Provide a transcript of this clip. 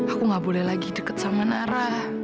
aku nggak boleh lagi dekat sama nara